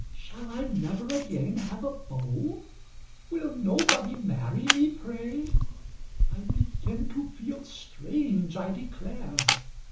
Shall I never again have a beau? Will nobody marry me, pray! I begin to feel strange, I declare!